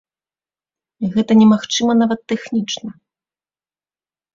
Гэта немагчыма нават тэхнічна.